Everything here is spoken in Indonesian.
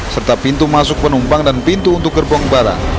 serta pintu masuk penumpang dan pintu untuk gerbong barang